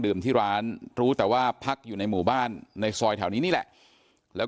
ที่ร้านรู้แต่ว่าพักอยู่ในหมู่บ้านในซอยแถวนี้นี่แหละแล้ว